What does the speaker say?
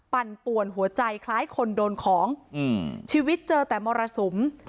ปั่นป่วนหัวใจคล้ายคนโดนของชีวิตเจอแต่มรสุม